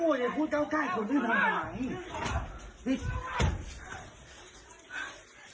รู้ว่าจะหลากเขาแล้วตัวเองไม่รอดดินะ